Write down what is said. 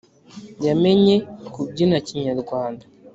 yamenye kubyina Kinyarwanda